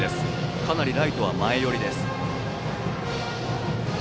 かなりライトは前寄りです。